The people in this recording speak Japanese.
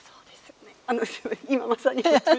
あのすいません